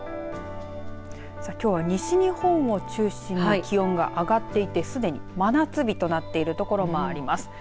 さあ、きょうは西日本を中心に気温が上がっていてすでに真夏日となっている所もあります。